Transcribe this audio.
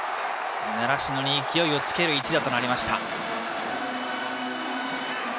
習志野に勢いをつける一打となりました。